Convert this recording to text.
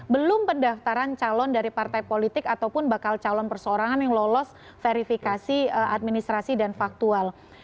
belum pendaftaran calon dari partai politik ataupun bakal calon persoarangan yang lolos verifikasi administrasi dan faktual